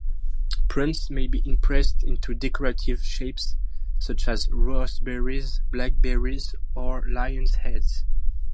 Prunts may be impressed into decorative shapes, such as raspberries, blackberries, or lion's heads.